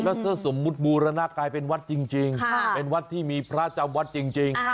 แล้วถ้าสมมุติบูรณากลายเป็นวัดจริงเป็นวัดที่มีพระจำวัดจริง